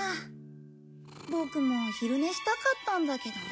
ボクも昼寝したかったんだけどね。